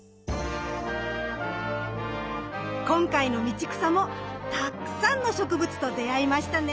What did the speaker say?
今回の道草もたくさんの植物と出会いましたね。